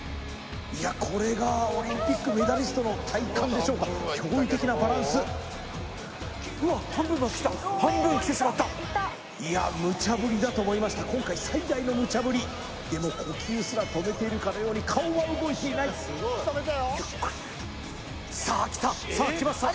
いやこれがオリンピックメダリストの体幹でしょうか驚異的なバランスうわっ半分まで来た半分来てしまったいやむちゃぶりだと思いました今回最大のむちゃぶりでも呼吸すら止めているかのように顔は動いていないゆっくりさあきたさあきました